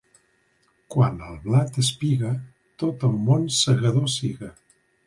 Quan el blat espiga, tot el món segador siga.